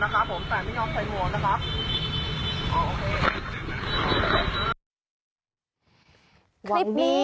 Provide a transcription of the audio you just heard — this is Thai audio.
คลิปนี้